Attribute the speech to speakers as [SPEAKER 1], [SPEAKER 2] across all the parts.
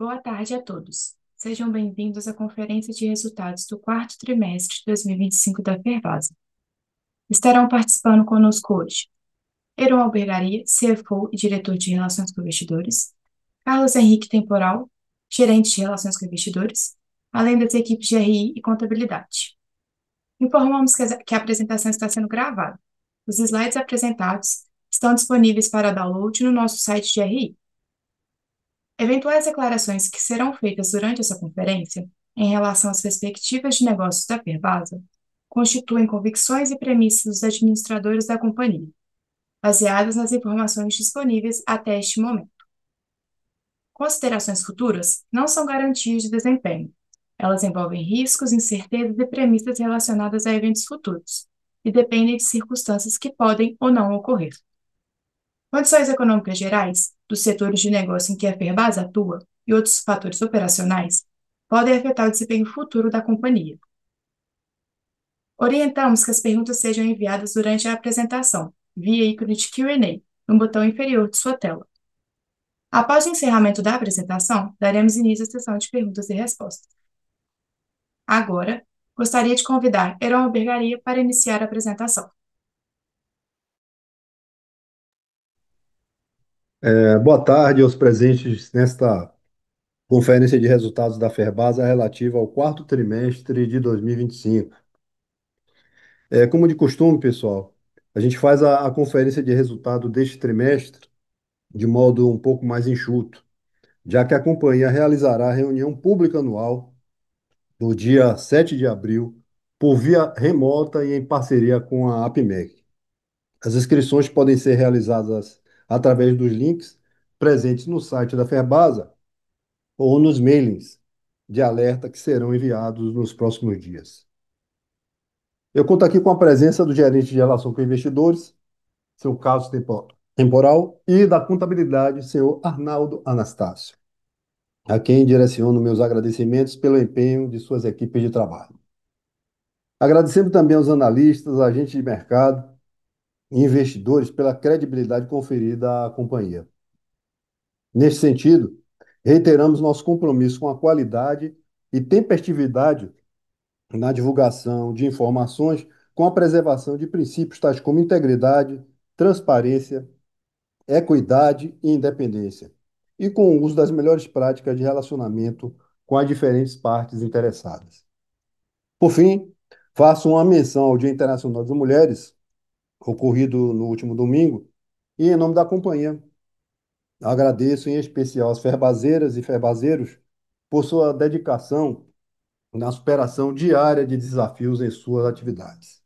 [SPEAKER 1] Boa tarde a todos. Sejam bem-vindos à conferência de resultados do quarto trimestre de 2025 da Ferbasa. Estarão participando conosco hoje, Heron Albergaria, CFO e diretor de relações com investidores, Carlos Henrique Temporal, gerente de relações com investidores, além das equipes de RI e contabilidade. Informamos que a apresentação está sendo gravada. Os slides apresentados estão disponíveis para download no nosso site de RI. Eventuais declarações que serão feitas durante essa conferência, em relação às perspectivas de negócios da Ferbasa, constituem convicções e premissas dos administradores da companhia, baseadas nas informações disponíveis até este momento. Considerações futuras não são garantias de desempenho. Elas envolvem riscos, incertezas e premissas relacionadas a eventos futuros e dependem de circunstâncias que podem ou não ocorrer. Condições econômicas gerais, dos setores de negócio em que a Ferbasa atua, e outros fatores operacionais, podem afetar o desempenho futuro da companhia. Orientamos que as perguntas sejam enviadas durante a apresentação, via ícone de Q&A, no botão inferior de sua tela. Após o encerramento da apresentação, daremos início à sessão de perguntas e respostas. Agora, gostaria de convidar Heron Albergaria de Melo para iniciar a apresentação.
[SPEAKER 2] Boa tarde aos presentes nesta conferência de resultados da Ferbasa, relativa ao quarto trimestre de 2025. Como de costume, pessoal, a gente faz a conferência de resultado deste trimestre, de modo um pouco mais enxuto, já que a companhia realizará a reunião pública anual, no dia 7 de abril, por via remota e em parceria com a APIMEC. As inscrições podem ser realizadas através dos links presentes no site da Ferbasa ou nos mailings de alerta que serão enviados nos próximos dias. Eu conto aqui com a presença do gerente de relação com investidores, senhor Carlos Temporal, e da contabilidade, senhor Arnaldo Anastácio, a quem direciono meus agradecimentos pelo empenho de suas equipes de trabalho. Agradecendo também aos analistas, agentes de mercado e investidores pela credibilidade conferida à companhia. Neste sentido, reiteramos nosso compromisso com a qualidade e tempestividade na divulgação de informações, com a preservação de princípios tais como integridade, transparência, equidade e independência, e com o uso das melhores práticas de relacionamento com as diferentes partes interessadas. Por fim, faço uma menção ao Dia Internacional das Mulheres, ocorrido no último domingo, e em nome da companhia, agradeço em especial às ferbaseiras e ferbaseiros, por sua dedicação na superação diária de desafios em suas atividades.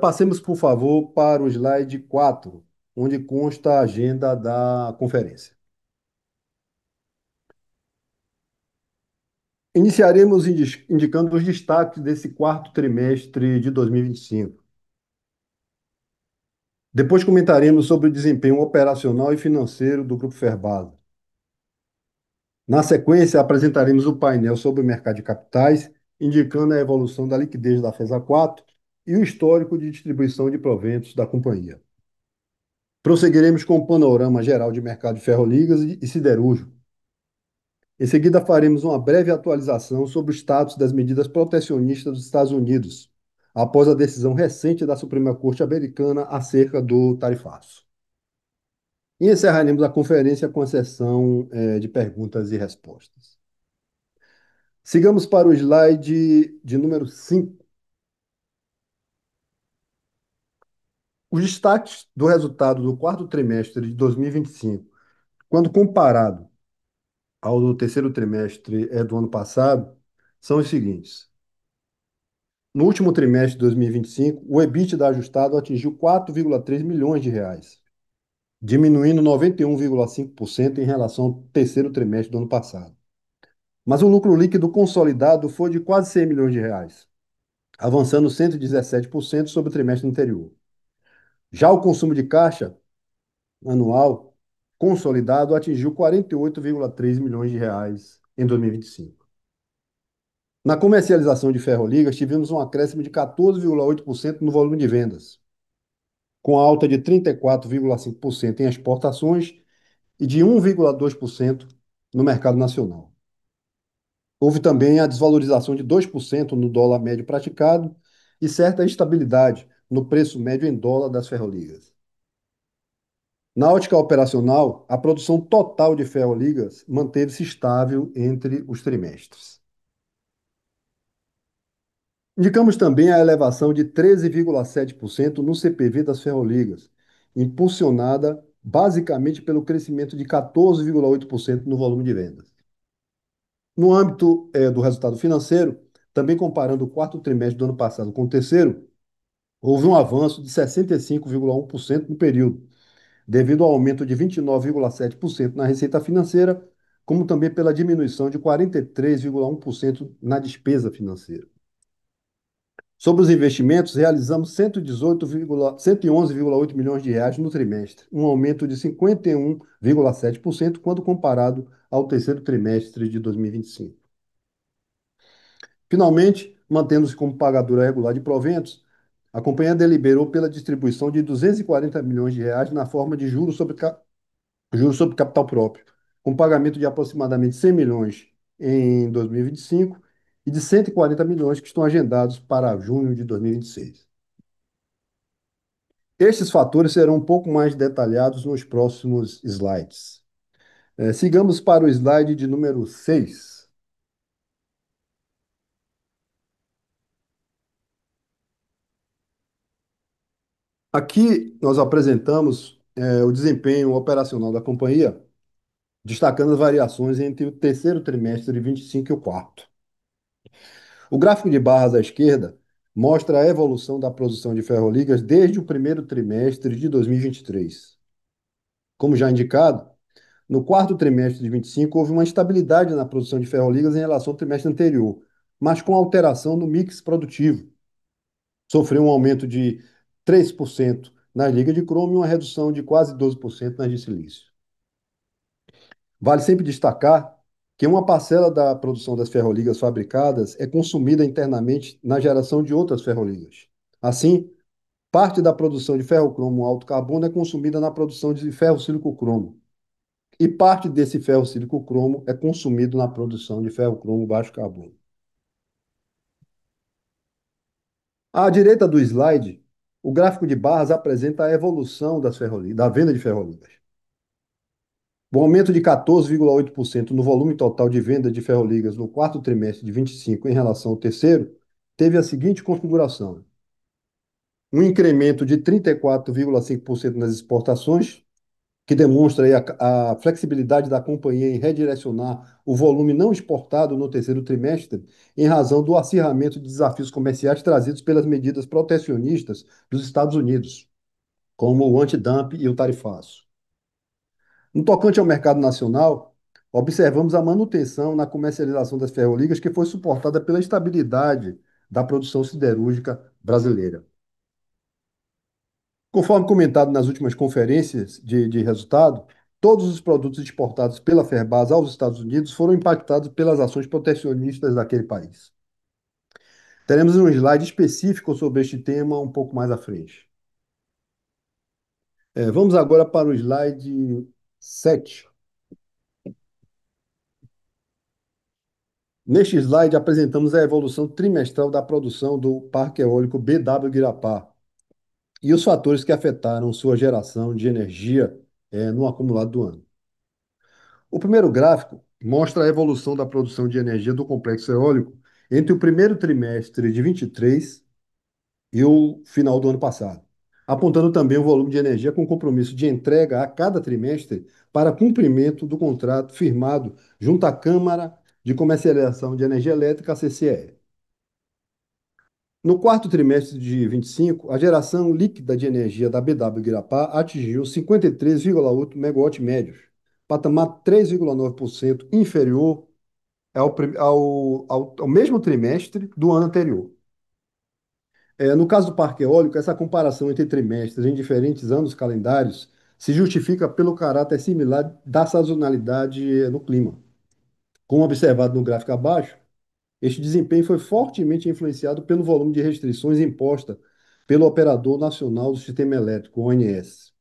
[SPEAKER 2] Passemos, por favor, para o slide quatro, onde consta a agenda da conferência. Iniciaremos indicando os destaques desse quarto trimestre de 2025. Depois comentaremos sobre o desempenho operacional e financeiro do grupo Ferbasa. Na sequência, apresentaremos o painel sobre o mercado de capitais, indicando a evolução da liquidez da FESA 4 e o histórico de distribuição de proventos da companhia. Prosseguiremos com o panorama geral de mercado de ferroligas e siderúrgico. Em seguida, faremos uma breve atualização sobre o status das medidas protecionistas dos Estados Unidos, após a decisão recente da Suprema Corte Americana acerca do tarifaço. Encerraremos a conferência com a sessão de perguntas e respostas. Sigamos para o slide de número 5. Os destaques do resultado do quarto trimestre de 2025, quando comparado ao terceiro trimestre do ano passado, são os seguintes: no último trimestre de 2025, o EBITDA ajustado atingiu 4.3 million reais, diminuindo 91.5% em relação ao terceiro trimestre do ano passado. O lucro líquido consolidado foi de quase 100 million reais, avançando 117% sobre o trimestre anterior. O consumo de caixa anual consolidado atingiu 48.3 million reais em 2025. Na comercialização de ferroligas, tivemos um acréscimo de 14.8% no volume de vendas, com alta de 34.5% em exportações e de 1.2% no mercado nacional. Houve também a desvalorização de 2% no dólar médio praticado e certa instabilidade no preço médio em dólar das ferroligas. Na ótica operacional, a produção total de ferroligas manteve-se estável entre os trimestres. Indicamos também a elevação de 13.7% no CPV das ferroligas, impulsionada basicamente pelo crescimento de 14.8% no volume de vendas. No âmbito do resultado financeiro, também comparando o quarto trimestre do ano passado com o terceiro, houve um avanço de 65.1% no período, devido ao aumento de 29.7% na receita financeira, como também pela diminuição de 43.1% na despesa financeira. Sobre os investimentos, realizamos BRL 111.8 million no trimestre, um aumento de 51.7% quando comparado ao terceiro trimestre de 2025. Finalmente, mantendo-se como pagadora regular de proventos, a companhia deliberou pela distribuição de 240 million reais na forma de juros sobre capital próprio, com pagamento de aproximadamente 100 million em 2025 e de 140 million, que estão agendados para junho de 2026. Estes fatores serão um pouco mais detalhados nos próximos slides. Sigamos para o slide de número 6. Aqui nós apresentamos o desempenho operacional da companhia, destacando as variações entre o terceiro trimestre de 2025 e o quarto. O gráfico de barras à esquerda mostra a evolução da produção de ferroligas desde o primeiro trimestre de 2023. Como já indicado, no quarto trimestre de 2025, houve uma estabilidade na produção de ferroligas em relação ao trimestre anterior, mas com alteração no mix produtivo. Sofreu um aumento de 3% na liga de cromo e uma redução de quase 12% na de silício. Vale sempre destacar que uma parcela da produção das ferroligas fabricadas é consumida internamente na geração de outras ferroligas. Assim, parte da produção de ferrocromo alto carbono é consumida na produção de ferro silício cromo, e parte desse ferro silício cromo é consumida na produção de ferro cromo baixo carbono. À direita do slide, o gráfico de barras apresenta a evolução da venda de ferroligas. O aumento de 14.8% no volume total de venda de Ferroligas no quarto trimestre de 2025 em relação ao terceiro teve a seguinte configuração, um incremento de 34.5% nas exportações, que demonstra aí a flexibilidade da companhia em redirecionar o volume não exportado no terceiro trimestre, em razão do acirramento de desafios comerciais trazidos pelas medidas protecionistas dos Estados Unidos, como o antidumping e o tarifaço. No tocante ao mercado nacional, observamos a manutenção na comercialização das Ferroligas, que foi suportada pela estabilidade da produção siderúrgica brasileira. Conforme comentado nas últimas conferências de resultado, todos os produtos exportados pela Ferbasa aos Estados Unidos foram impactados pelas ações protecionistas daquele país. Teremos um slide específico sobre este tema um pouco mais à frente. Vamos agora para o slide 7. Neste slide, apresentamos a evolução trimestral da produção do parque eólico BW Guirapá e os fatores que afetaram sua geração de energia no acumulado do ano. O primeiro gráfico mostra a evolução da produção de energia do complexo eólico entre o primeiro trimestre de 2023 e o final do ano passado, apontando também o volume de energia com compromisso de entrega a cada trimestre, para cumprimento do contrato firmado junto à Câmara de Comercialização de Energia Elétrica, a CCEE. No quarto trimestre de 2025, a geração líquida de energia da BW Guirapá atingiu 53.8 MW médios, patamar 3.9% inferior ao mesmo trimestre do ano anterior. No caso do parque eólico, essa comparação entre trimestres em diferentes anos calendários se justifica pelo caráter similar da sazonalidade no clima. Como observado no gráfico abaixo, este desempenho foi fortemente influenciado pelo volume de restrições impostas pelo Operador Nacional do Sistema Elétrico, ONS,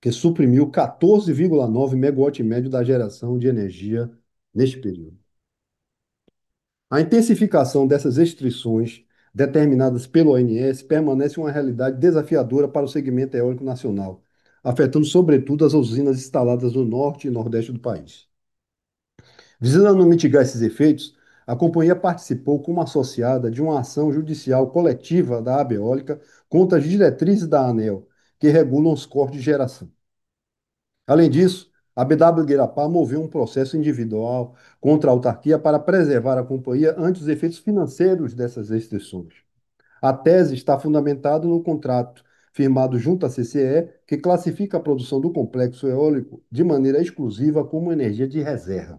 [SPEAKER 2] que suprimiu 14.9 MW médio da geração de energia neste período. A intensificação dessas restrições determinadas pelo ONS permanece uma realidade desafiadora para o segmento eólico nacional, afetando sobretudo as usinas instaladas no Norte e Nordeste do país. Visando mitigar esses efeitos, a companhia participou como associada de uma ação judicial coletiva da ABEEólica contra as diretrizes da ANEEL, que regulam os cortes de geração. Além disso, a BW Guirapá moveu um processo individual contra a autarquia para preservar a companhia ante os efeitos financeiros dessas restrições. A tese está fundamentada no contrato firmado junto à CCEE, que classifica a produção do complexo eólico de maneira exclusiva como energia de reserva.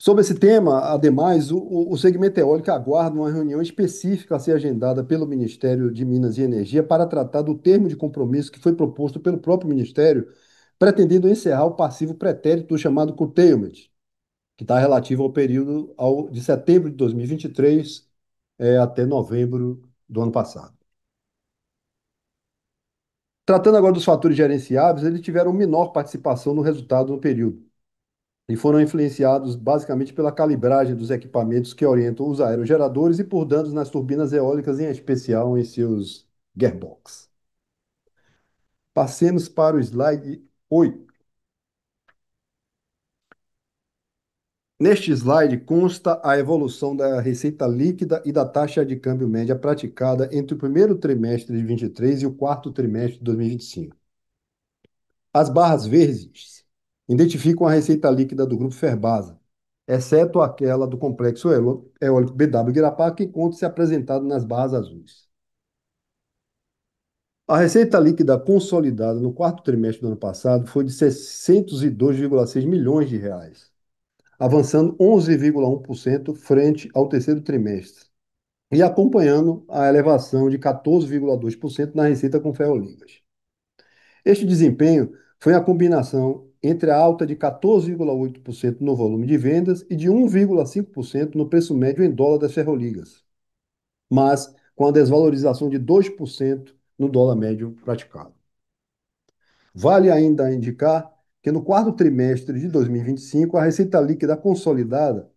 [SPEAKER 2] Sobre esse tema, ademais, o segmento eólico aguarda uma reunião específica a ser agendada pelo Ministério de Minas e Energia para tratar do termo de compromisso que foi proposto pelo próprio ministério, pretendendo encerrar o passivo pretérito chamado Curtailment, que tá relativo ao período de setembro de 2023 até novembro do ano passado. Tratando agora dos fatores gerenciáveis, eles tiveram menor participação no resultado no período e foram influenciados basicamente pela calibragem dos equipamentos que orientam os aerogeradores e por danos nas turbinas eólicas, em especial em seus gearbox. Passemos para o slide 8. Neste slide consta a evolução da receita líquida e da taxa de câmbio média praticada entre o primeiro trimestre de 2023 e o quarto trimestre de 2025. As barras verdes identificam a receita líquida do grupo Ferbasa, exceto aquela do complexo eólico BW Guirapá, que encontra-se apresentado nas barras azuis. A receita líquida consolidada no quarto trimestre do ano passado foi de 602.6 milhões reais, avançando 11.1% frente ao terceiro trimestre e acompanhando a elevação de 14.2% na receita com ferroligas. Este desempenho foi a combinação entre a alta de 14.8% no volume de vendas e de 1.5% no preço médio em dólar das ferroligas, mas com a desvalorização de 2% no dólar médio praticado. Vale ainda indicar que no quarto trimestre de 2025, a receita líquida consolidada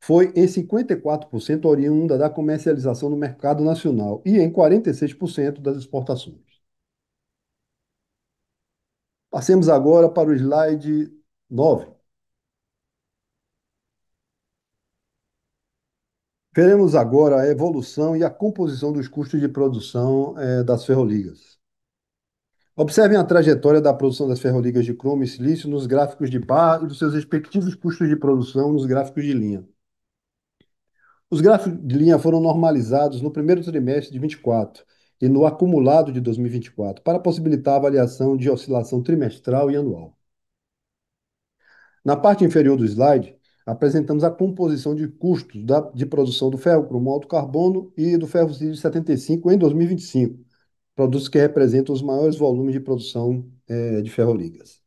[SPEAKER 2] foi em 54% oriunda da comercialização no mercado nacional e em 46% das exportações. Passemos agora para o slide 9. Veremos agora a evolução e a composição dos custos de produção, das ferroligas. Observem a trajetória da produção das ferroligas de cromo e silício nos gráficos de barra e dos seus respectivos custos de produção nos gráficos de linha. Os gráficos de linha foram normalizados no primeiro trimestre de 2024 e no acumulado de 2024, para possibilitar a avaliação de oscilação trimestral e anual. Na parte inferior do slide, apresentamos a composição de custos de produção do ferrocromo alto carbono e do ferro silício 75 em 2025, produtos que representam os maiores volumes de produção de ferroligas.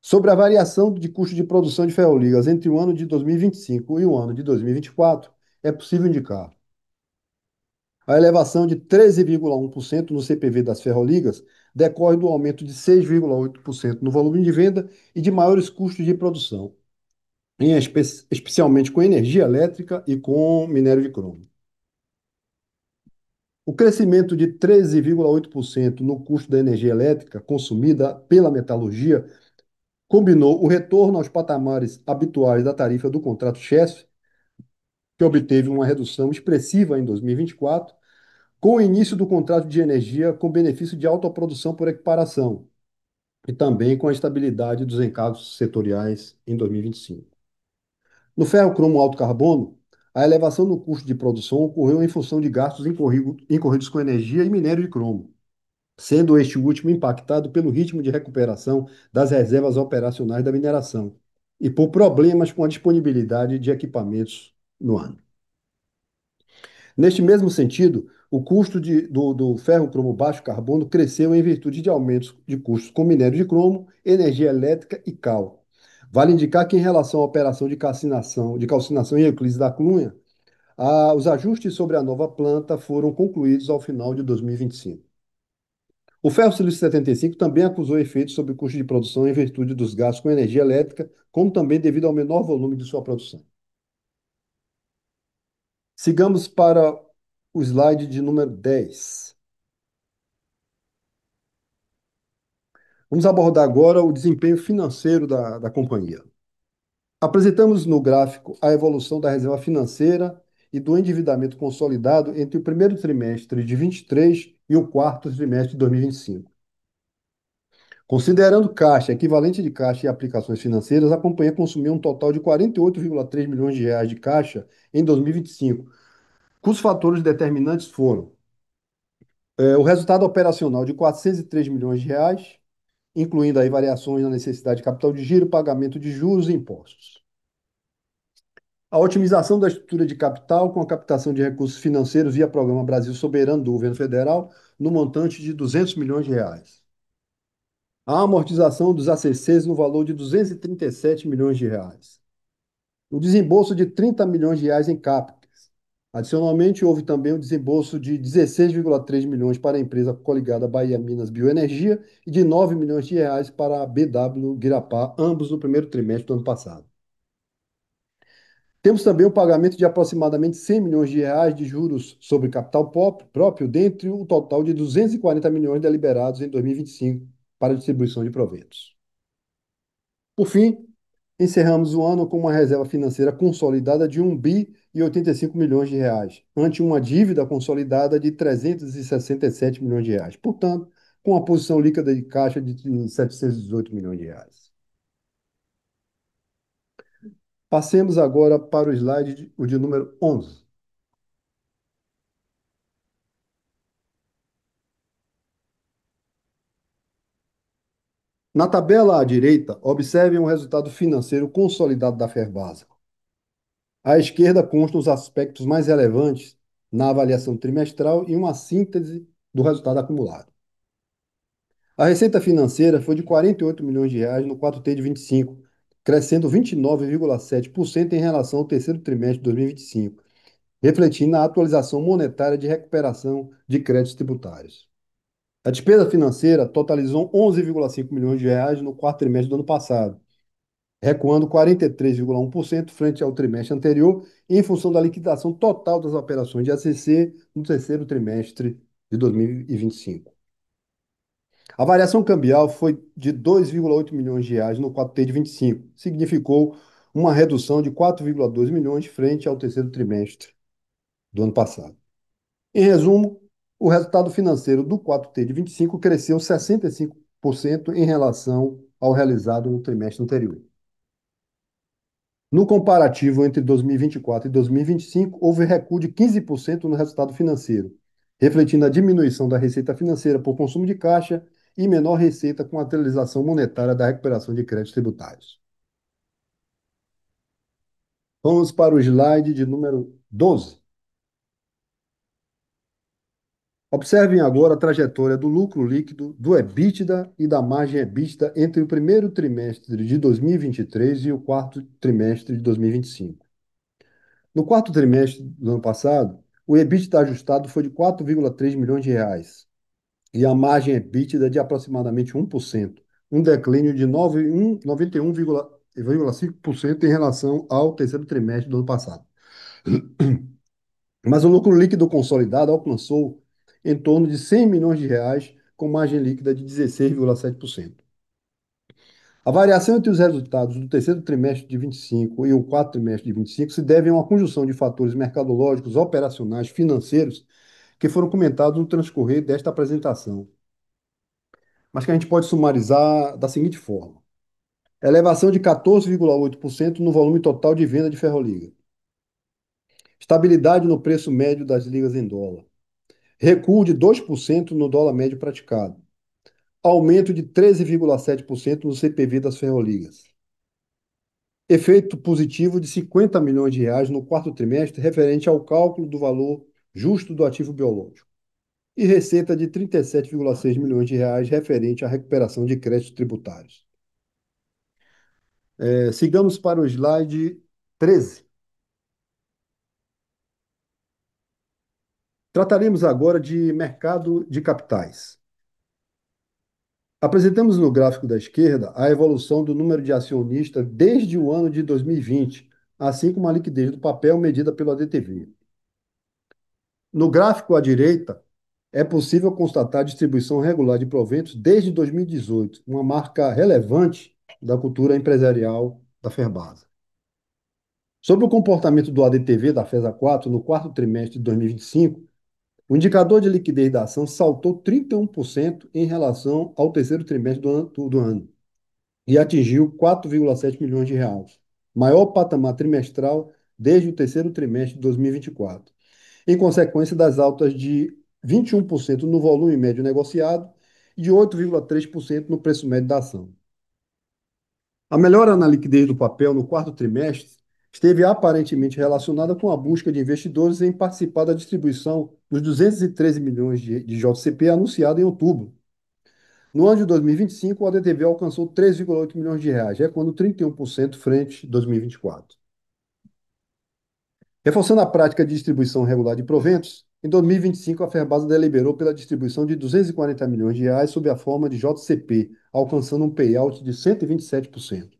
[SPEAKER 2] Sobre a variação de custo de produção de ferroligas entre o ano de 2025 e o ano de 2024, é possível indicar, a elevação de 13.1% no CPV das ferroligas decorre do aumento de 6.8% no volume de venda e de maiores custos de produção, especialmente com energia elétrica e com minério de cromo. O crescimento de 13.8% no custo da energia elétrica consumida pela metalurgia combinou o retorno aos patamares habituais da tarifa do contrato CESP, que obteve uma redução expressiva em 2024, com o início do contrato de energia com benefício de autoprodução por equiparação e também com a estabilidade dos encargos setoriais em 2025. No Ferro-cromo Alto Carbono, a elevação no custo de produção ocorreu em função de gastos incorridos com energia e minério de cromo, sendo este último impactado pelo ritmo de recuperação das reservas operacionais da mineração e por problemas com a disponibilidade de equipamentos no ano. Neste mesmo sentido, o custo do Ferro-cromo Baixo Carbono cresceu em virtude de aumentos de custos com minério de cromo, energia elétrica e cal. Vale indicar que em relação à operação de calcinação em Euclides da Cunha, os ajustes sobre a nova planta foram concluídos ao final de 2025. O Ferro Silício 75 também acusou efeitos sobre o custo de produção em virtude dos gastos com energia elétrica, como também devido ao menor volume de sua produção. Sigamos para o slide número 10. Vamos abordar agora o desempenho financeiro da companhia. Apresentamos no gráfico a evolução da reserva financeira e do endividamento consolidado entre o primeiro trimestre de 2023 e o quarto trimestre de 2025. Considerando caixa equivalente de caixa e aplicações financeiras, a companhia consumiu um total de 48.3 million reais de caixa em 2025, cujos fatores determinantes foram o resultado operacional de 403 million reais, incluindo aí variações na necessidade de capital de giro, pagamento de juros e impostos. A otimização da estrutura de capital com a captação de recursos financeiros via Plano Brasil Soberano do Governo Federal, no montante de 200 million reais. A amortização dos ACCs no valor de 237 million reais. O desembolso de 30 million reais em CAPEX. Adicionalmente, houve também o desembolso de 16.3 million para a empresa coligada Bahia Minas Bioenergia e de 9 million reais para a BW Guirapá, ambos no primeiro trimestre do ano passado. Temos também o pagamento de aproximadamente 100 milhões reais de juros sobre capital próprio, dentre o total de 240 milhões deliberados em 2025 para distribuição de proventos. Por fim, encerramos o ano com uma reserva financeira consolidada de 1,085 milhões reais, ante uma dívida consolidada de 367 milhões reais, portanto, com a posição líquida de caixa de 718 milhões reais. Passemos agora para o slide de número 11. Na tabela à direita, observem o resultado financeiro consolidado da Ferbasa. À esquerda, constam os aspectos mais relevantes na avaliação trimestral e uma síntese do resultado acumulado. A receita financeira foi de 48 milhões reais no 4T25, crescendo 29.7% em relação ao terceiro trimestre de 2025, refletindo na atualização monetária de recuperação de créditos tributários. A despesa financeira totalizou 11.5 million reais no quarto trimestre do ano passado, recuando 43.1% frente ao trimestre anterior, em função da liquidação total das operações de ACC no terceiro trimestre de 2025. A variação cambial foi de 2.8 million reais no 4T25, significou uma redução de 4.2 million frente ao terceiro trimestre do ano passado. Em resumo, o resultado financeiro do 4T25 cresceu 65% em relação ao realizado no trimestre anterior. No comparativo entre 2024 e 2025, houve recuo de 15% no resultado financeiro, refletindo a diminuição da receita financeira por consumo de caixa e menor receita com a atualização monetária da recuperação de créditos tributários. Vamos para o slide de número 12. Observem agora a trajetória do lucro líquido, do EBITDA e da margem EBITDA entre o primeiro trimestre de 2023 e o quarto trimestre de 2025. No quarto trimestre do ano passado, o EBITDA ajustado foi de 4.3 million reais e a margem EBITDA de aproximadamente 1%, um declínio de 91.5% em relação ao terceiro trimestre do ano passado. O lucro líquido consolidado alcançou em torno de 100 million reais, com margem líquida de 16.7%. A variação entre os resultados do terceiro trimestre de 2025 e o quarto trimestre de 2025 se deve a uma conjunção de fatores mercadológicos, operacionais, financeiros, que foram comentados no transcorrer desta apresentação. Que a gente pode resumir da seguinte forma. Elevação de 14.8% no volume total de venda de ferroliga. Estabilidade no preço médio das ligas em dólar. Recuo de 2% no dólar médio praticado. Aumento de 13.7% no CPV das ferroligas. Efeito positivo de 50 milhões reais no quarto trimestre, referente ao cálculo do valor justo do ativo biológico. E receita de 37.6 milhões reais referente à recuperação de créditos tributários. Sigamos para o slide 13. Trataremos agora de mercado de capitais. Apresentamos no gráfico da esquerda a evolução do número de acionistas desde o ano de 2020, assim como a liquidez do papel medida pelo ADTV. No gráfico à direita, é possível constatar a distribuição regular de proventos desde 2018, uma marca relevante da cultura empresarial da Ferbasa. Sobre o comportamento do ADTV da FESA 4 no quarto trimestre de 2025, o indicador de liquidez da ação saltou 31% em relação ao terceiro trimestre do ano e atingiu 4.7 million reais, maior patamar trimestral desde o terceiro trimestre de 2024, em consequência das altas de 21% no volume médio negociado e de 8.3% no preço médio da ação. A melhora na liquidez do papel no quarto trimestre esteve aparentemente relacionada com a busca de investidores em participar da distribuição dos 213 million de JCP, anunciado em outubro. No ano de 2025, o ADTV alcançou 3.8 million reais, ecoando 31% frente 2024. Reforçando a prática de distribuição regular de proventos, em 2025, a Ferbasa deliberou pela distribuição de 240 milhões reais sob a forma de JCP, alcançando um payout de 127%.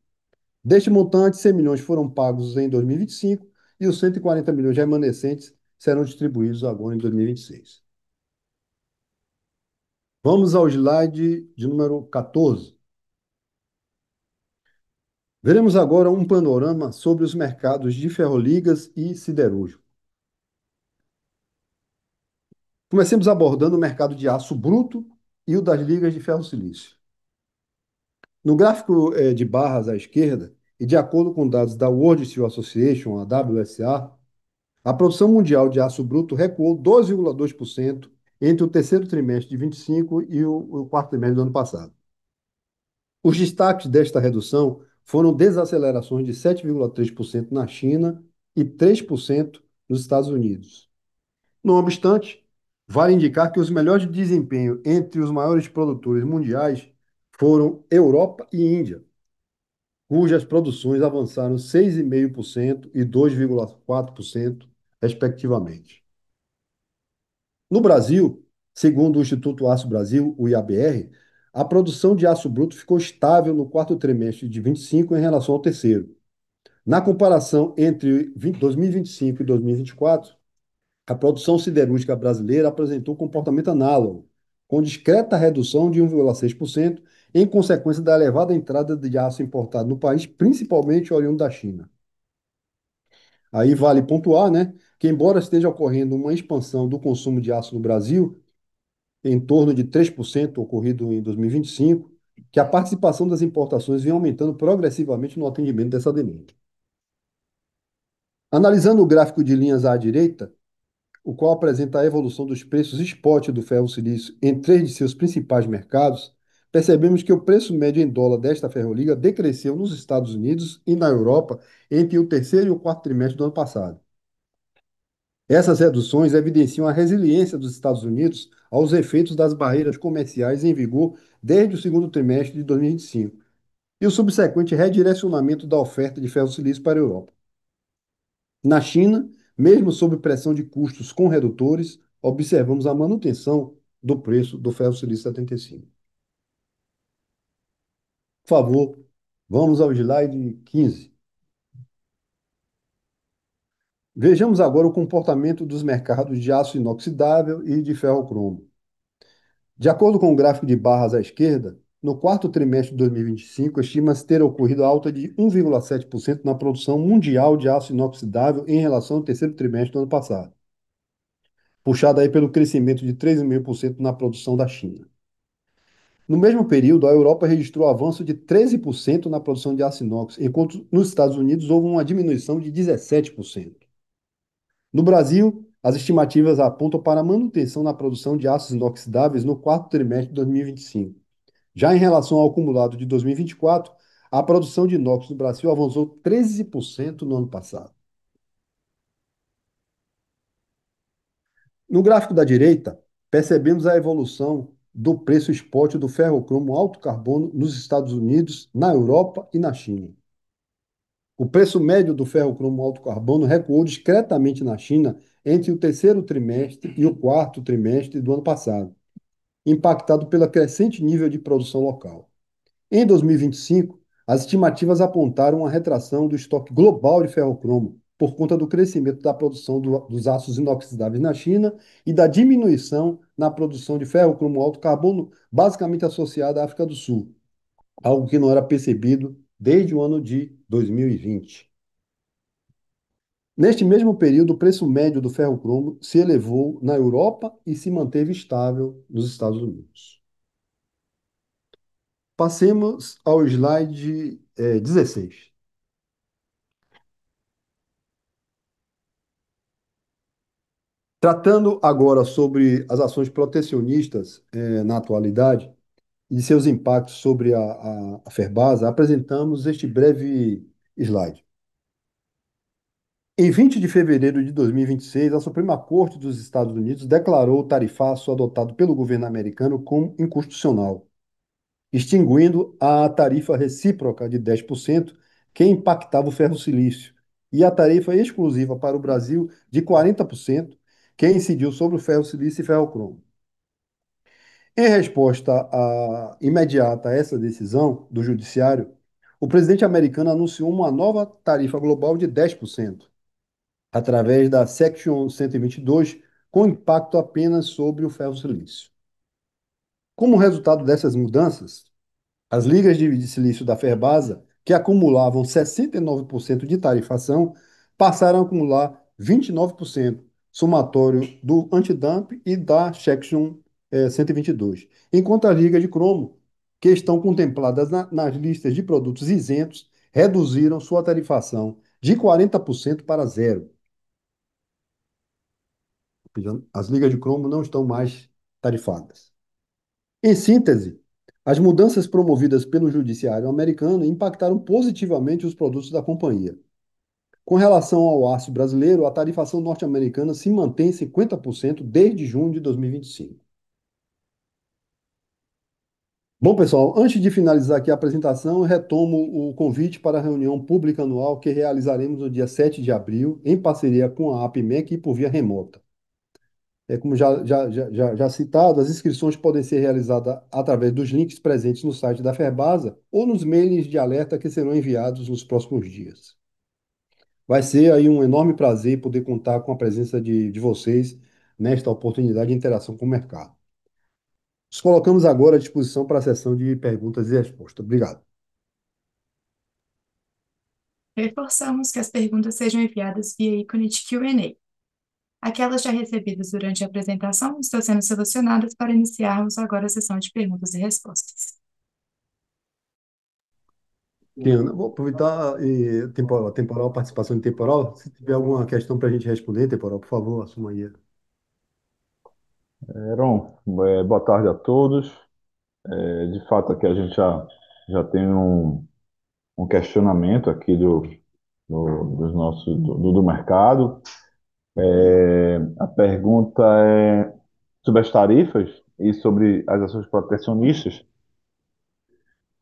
[SPEAKER 2] Deste montante, 100 milhões foram pagos em 2025 e os 140 milhões remanescentes serão distribuídos agora em 2026. Vamos ao slide de número 14. Veremos agora um panorama sobre os mercados de ferroligas e siderúrgico. Comecemos abordando o mercado de aço bruto e o das ligas de ferro silício. No gráfico, de barras à esquerda, e de acordo com dados da World Steel Association, a WSA, a produção mundial de aço bruto recuou 12.2% entre o terceiro trimestre de 2025 e o quarto trimestre do ano passado. Os destaques desta redução foram desacelerações de 7.3% na China e 3% nos Estados Unidos. Não obstante, vale indicar que os melhores desempenhos entre os maiores produtores mundiais foram Europa e Índia, cujas produções avançaram 6.5% e 2.4%, respectivamente. No Brasil, segundo o Instituto Aço Brasil, o IABr, a produção de aço bruto ficou estável no quarto trimestre de 2025 em relação ao terceiro. Na comparação entre 2025 e 2024, a produção siderúrgica brasileira apresentou comportamento análogo, com discreta redução de 1.6%, em consequência da elevada entrada de aço importado no país, principalmente oriundo da China. Vale pontuar, né, que embora esteja ocorrendo uma expansão do consumo de aço no Brasil, em torno de 3% ocorrido em 2025, que a participação das importações vem aumentando progressivamente no atendimento dessa demanda. Analisando o gráfico de linhas à direita, o qual apresenta a evolução dos preços spot do Ferro Silício em três de seus principais mercados, percebemos que o preço médio em dólar desta ferroliga decresceu nos Estados Unidos e na Europa entre o terceiro e o quarto trimestre do ano passado. Essas reduções evidenciam a resiliência dos Estados Unidos aos efeitos das barreiras comerciais em vigor desde o segundo trimestre de 2025, e o subsequente redirecionamento da oferta de Ferro Silício para a Europa. Na China, mesmo sob pressão de custos com redutores, observamos a manutenção do preço do Ferro Silício 75%. Por favor, vamos ao slide 15. Vejamos agora o comportamento dos mercados de aço inoxidável e de ferro-cromo. De acordo com o gráfico de barras à esquerda, no quarto trimestre de 2025, estima-se ter ocorrido a alta de 1.7% na produção mundial de aço inoxidável em relação ao terceiro trimestre do ano passado, puxada aí pelo crescimento de 3.5% na produção da China. No mesmo período, a Europa registrou avanço de 13% na produção de aço inox, enquanto nos Estados Unidos houve uma diminuição de 17%. No Brasil, as estimativas apontam para a manutenção na produção de aços inoxidáveis no quarto trimestre de 2025. Já em relação ao acumulado de 2024, a produção de inox no Brasil avançou 13% no ano passado. No gráfico da direita, percebemos a evolução do preço spot do ferro-cromo alto carbono nos Estados Unidos, na Europa e na China. O preço médio do ferro-cromo alto carbono recuou discretamente na China entre o terceiro trimestre e o quarto trimestre do ano passado, impactado pelo crescente nível de produção local. Em 2025, as estimativas apontaram uma retração do estoque global de ferro-cromo, por conta do crescimento da produção dos aços inoxidáveis na China e da diminuição na produção de ferro-cromo alto carbono, basicamente associada à África do Sul, algo que não era percebido desde o ano de 2020. Neste mesmo período, o preço médio do ferro-cromo se elevou na Europa e se manteve estável nos Estados Unidos. Passemos ao slide 16. Tratando agora sobre as ações protecionistas na atualidade e seus impactos sobre a Ferbasa, apresentamos este breve slide. Em 20 de fevereiro de 2026, a Suprema Corte Americana declarou o tarifaço adotado pelo governo americano como inconstitucional, extinguindo a tarifa recíproca de 10%, que impactava o Ferro Silício, e a tarifa exclusiva para o Brasil, de 40%, que incidiu sobre o Ferro Silício e Ferro-cromo. Em resposta à imediata essa decisão do Judiciário, o presidente americano anunciou uma nova tarifa global de 10%, através da Section 122, com impacto apenas sobre o Ferro Silício. Como resultado dessas mudanças, as ligas de silício da Ferbasa, que acumulavam 69% de tarifação, passaram a acumular 29%, somatório do antidumping e da Section 122, enquanto as ligas de cromo, que estão contempladas nas listas de produtos isentos, reduziram sua tarifação de 40% para zero. As ligas de cromo não estão mais tarifadas. Em síntese, as mudanças promovidas pelo Judiciário americano impactaram positivamente os produtos da companhia. Com relação ao aço brasileiro, a tarifação norte-americana se mantém em 50% desde junho de 2025. Bom, pessoal, antes de finalizar aqui a apresentação, retomo o convite para a reunião pública anual que realizaremos no dia 7 de abril, em parceria com a APIMEC e por via remota. Como já citado, as inscrições podem ser realizadas através dos links presentes no site da Ferbasa ou nos e-mails de alerta que serão enviados nos próximos dias. Vai ser aí um enorme prazer poder contar com a presença de vocês nesta oportunidade de interação com o mercado. Nos colocamos agora à disposição pra sessão de perguntas e respostas. Obrigado.
[SPEAKER 1] Reforçamos que as perguntas sejam enviadas via ícone de Q&A. Aquelas já recebidas durante a apresentação estão sendo solucionadas para iniciarmos agora a sessão de perguntas e respostas.
[SPEAKER 2] Vou convidar Temporal, participação Temporal. Se tiver alguma questão pra gente responder, Temporal, por favor, assuma aí.
[SPEAKER 3] Heron, boa tarde a todos. De fato, aqui a gente já tem um questionamento aqui do mercado. A pergunta é sobre as tarifas e sobre as ações protecionistas.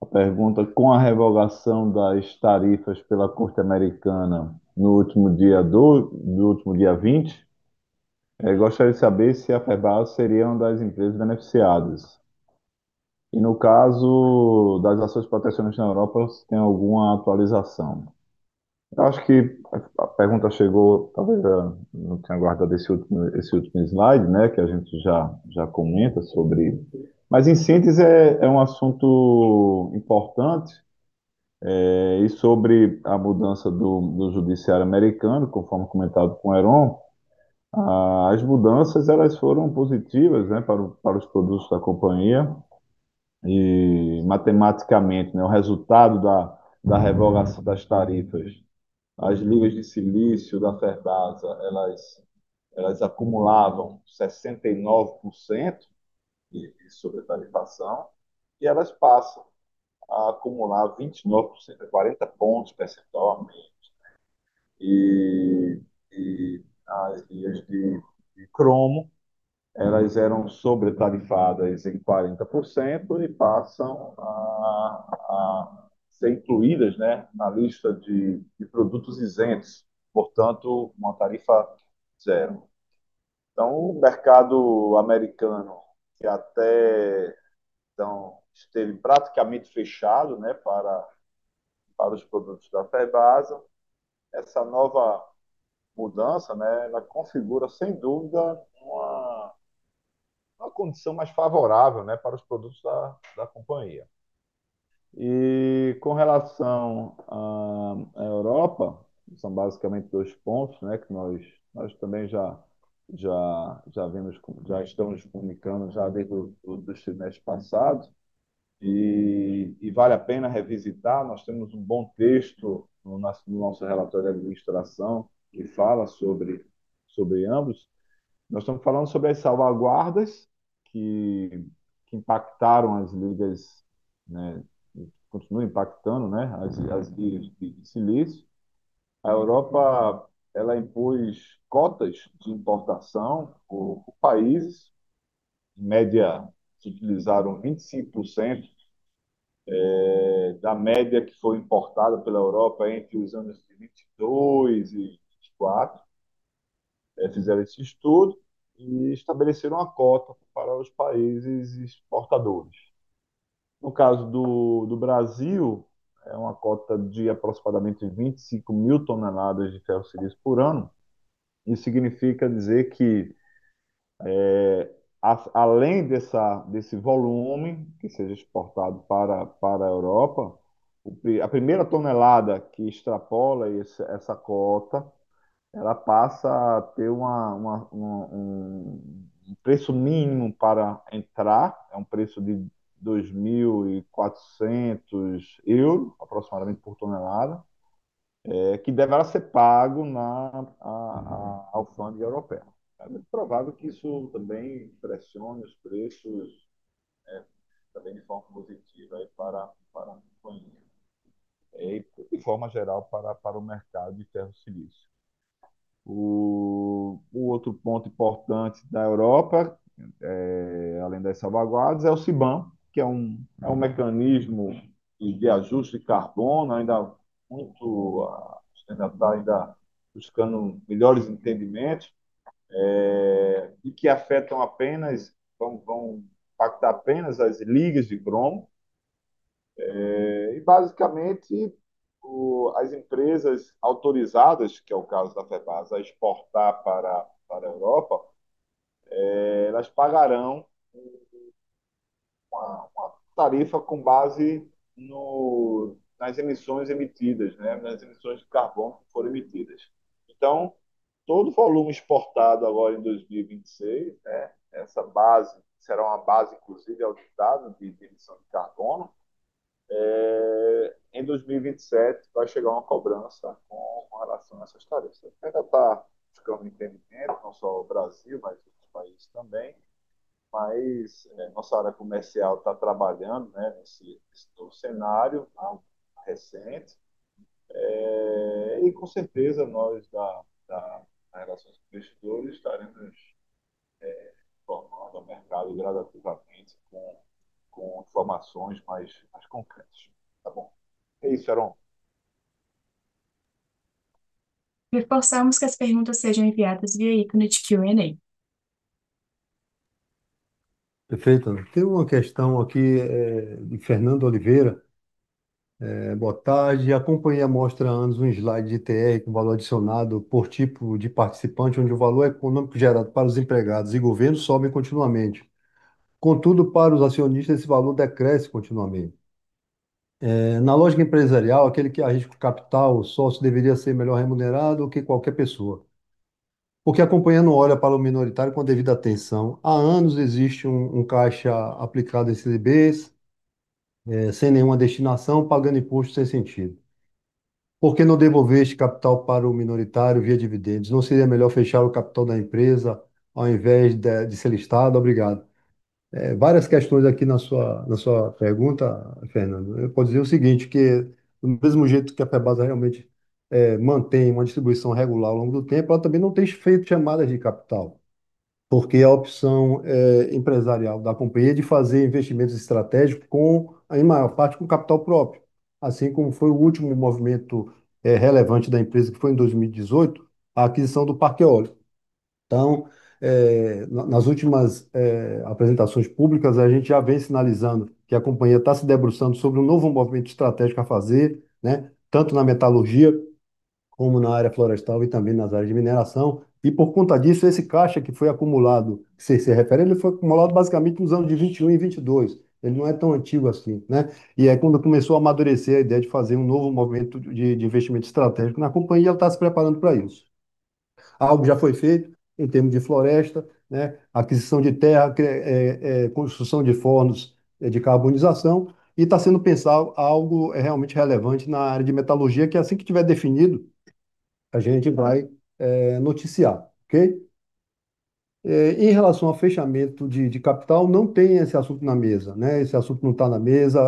[SPEAKER 3] A pergunta: com a revogação das tarifas pela Suprema Corte Americana no último dia 20, gostaria de saber se a Ferbasa seria uma das empresas beneficiadas. No caso das ações protecionistas na Europa, se tem alguma atualização. Eu acho que a pergunta chegou, talvez, no tempo de aguardo desse último slide, que a gente já comenta sobre. Em síntese, é um assunto importante e sobre a mudança do Judiciário americano, conforme comentado com o Heron, as mudanças elas foram positivas, né, para os produtos da companhia e matematicamente, o resultado da revogação das tarifas, as ligas de silício da Ferbasa, elas acumulavam 69% sobre a tarifação e elas passam a acumular 29%, é 40 pontos percentualmente, né. E as ligas de cromo, elas eram sobretarifadas em 40% e passam a ser incluídas, né, na lista de produtos isentos, portanto, uma tarifa zero. O mercado americano, que até então esteve praticamente fechado, né, para os produtos da Ferbasa, essa nova mudança, né, ela configura, sem dúvida, uma condição mais favorável, né, para os produtos da companhia. Com relação à Europa, são basicamente dois pontos, né, que nós também já vimos. Já estamos comunicando já desde o do trimestre passado, e vale a pena revisitar. Nós temos um bom texto no nosso relatório de administração, que fala sobre ambos. Nós estamos falando sobre as salvaguardas que impactaram as ligas, né, continuam impactando, né, as ligas de silício. A Europa, ela impôs cotas de importação por países, em média, se utilizaram 25%, da média que foi importada pela Europa entre os anos de 2022 e 2024. Fizeram esse estudo e estabeleceram a cota para os países exportadores. No caso do Brasil, é uma cota de aproximadamente 25,000 toneladas de Ferro Silício por ano. Isso significa dizer que, além dessa, desse volume que seja exportado para a Europa, a primeira tonelada que extrapola essa cota, ela passa a ter um preço mínimo para entrar. É um preço de 2,400 euros, aproximadamente, por tonelada, que deverá ser pago na alfândega europeia. É muito provável que isso também pressione os preços, também de forma positiva aí para a companhia. E de forma geral para o mercado de Ferro Silício. O outro ponto importante da Europa, além das Salvaguardas, é o CBAM, que é um mecanismo de ajuste carbono, ainda muito, o Senado está ainda buscando melhores entendimentos, e que afetam apenas, vão impactar apenas as ligas de cromo. Basicamente, as empresas autorizadas, que é o caso da Ferbasa, a exportar para a Europa, elas pagarão uma tarifa com base nas emissões emitidas, né, nas emissões de carbono que foram emitidas. Então, todo o volume exportado agora em 2026, né, essa base será uma base inclusive auditada de emissão de carbono, em 2027 vai chegar uma cobrança com relação a essas tarifas. Ainda tá buscando entendimento, não só o Brasil, mas outros países também. Nossa área comercial tá trabalhando, né, nesse todo cenário recente. Com certeza nós da relações com investidores estaremos informando ao mercado gradativamente com informações mais concretas. Tá bom. É isso, Heron.
[SPEAKER 4] Reforçamos que as perguntas sejam enviadas via ícone Q&A.
[SPEAKER 2] Perfeito. Tem uma questão aqui de Fernando Oliveira: "Boa tarde. A companhia mostra há anos um slide de TR com valor adicionado por tipo de participante, onde o valor econômico gerado para os empregados e governo sobem continuamente. Contudo, para os acionistas, esse valor decresce continuamente. Na lógica empresarial, aquele que arrisca o capital, o sócio deveria ser melhor remunerado do que qualquer pessoa. Por que a companhia não olha para o minoritário com a devida atenção? Há anos existe um caixa aplicado em CDBs sem nenhuma destinação, pagando imposto sem sentido. Por que não devolver este capital para o minoritário via dividendos? Não seria melhor fechar o capital da empresa ao invés de ser listado? Obrigado." Várias questões aqui na sua pergunta, Fernando. Eu posso dizer o seguinte, que do mesmo jeito que a Ferbasa realmente mantém uma distribuição regular ao longo do tempo, ela também não tem feito chamadas de capital, porque a opção empresarial da companhia de fazer investimentos estratégicos com, em maior parte, com capital próprio, assim como foi o último movimento relevante da empresa, que foi em 2018, a aquisição do parque eólico. Nas últimas apresentações públicas, a gente já vem sinalizando que a companhia tá se debruçando sobre um novo movimento estratégico a fazer, né, tanto na metalurgia como na área florestal e também nas áreas de mineração. Por conta disso, esse caixa que foi acumulado, que cê se refere, ele foi acumulado basicamente nos anos de 2021 e 2022. Ele não é tão antigo assim, né? É quando começou a amadurecer a ideia de fazer um novo movimento de investimento estratégico na companhia, ela tá se preparando pra isso. Algo já foi feito em termos de floresta, né, aquisição de terra, que é construção de fornos de carbonização, e tá sendo pensado algo realmente relevante na área de metalurgia, que assim que tiver definido, a gente vai noticiar, ok? Em relação ao fechamento de capital, não tem esse assunto na mesa, né? Esse assunto não tá na mesa.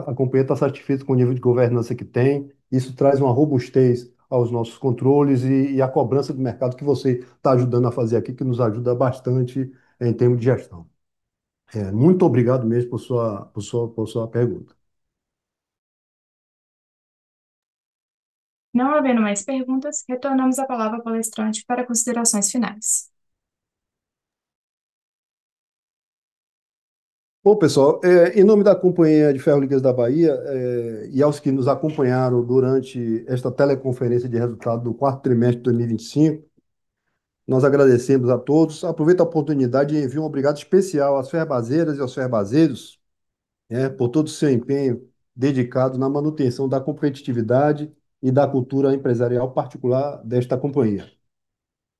[SPEAKER 2] A companhia tá satisfeita com o nível de governança que tem. Isso traz uma robustez aos nossos controles e à cobrança do mercado que você tá ajudando a fazer aqui, que nos ajuda bastante em termos de gestão. Muito obrigado mesmo por sua pergunta.
[SPEAKER 4] Não havendo mais perguntas, retornamos à palavra palestrante para considerações finais.
[SPEAKER 2] Bom, pessoal, em nome da Companhia de Ferro Ligas da Bahia, e aos que nos acompanharam durante esta teleconferência de resultado do quarto trimestre de 2025, nós agradecemos a todos. Aproveito a oportunidade e envio um obrigado especial às Ferbaseiras e aos Ferbaseiros, por todo o seu empenho dedicado na manutenção da competitividade e da cultura empresarial particular desta companhia.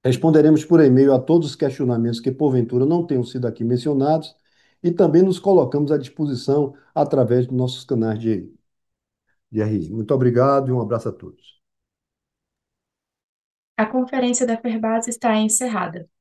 [SPEAKER 2] Responderemos por e-mail a todos os questionamentos que porventura não tenham sido aqui mencionados e também nos colocamos à disposição através dos nossos canais de IR. Muito obrigado e um abraço a todos.
[SPEAKER 4] A conferência da Ferbasa está encerrada.